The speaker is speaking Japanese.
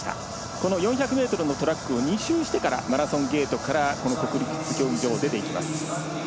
この４００ｍのトラックを２周してからマラソンゲートから国立競技場を出ていきます。